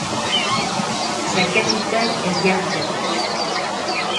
Sa capitale est Gardêz.